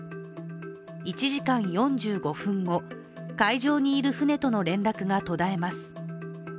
１時間４５分後、海上にいる船との連絡が途絶えます。